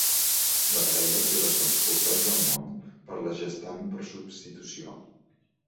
La parella té bessons portats al món per la gestant per substitució.